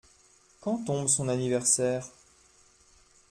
Quand tombe son anniversaire ?